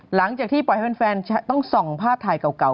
หลังจากที่ปล่อยให้แฟนต้องส่องภาพถ่ายเก่า